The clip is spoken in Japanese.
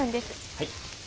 はい。